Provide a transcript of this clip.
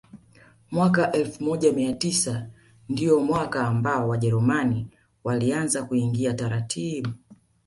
Mwaka elfu moja mia tisa ndio mwaka ambao Wajerumani walianza kuingia taratibu